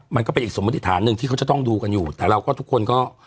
มันก็เป็นอีกสมมติฐานหนึ่งที่เขาจะต้องดูกันอยู่แต่เราก็ทุกคนก็